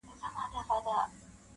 • او مخلوق ته سي لګیا په بد ویلو -